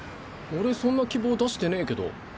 俺そんな希望出してねぇけど。